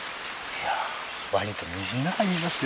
ワニと水の中にいますよ。